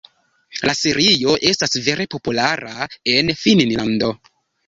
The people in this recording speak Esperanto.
La serio estas vere populara en Finnlando.